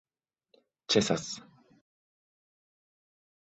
ĉesas